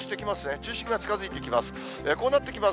中心が近づいてきます。